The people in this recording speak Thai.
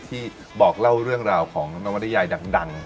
ที่บอกเล่าเรื่องราวของนวริยายดัง